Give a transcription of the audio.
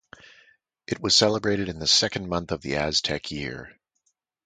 It was celebrated in the second month of the Aztec year.